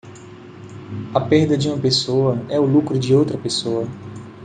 A perda de uma pessoa é o lucro de outra pessoa.